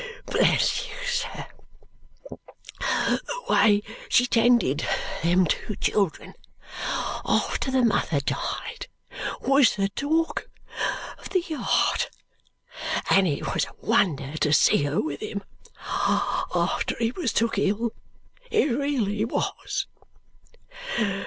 Bless you, sir, the way she tended them two children after the mother died was the talk of the yard! And it was a wonder to see her with him after he was took ill, it really was!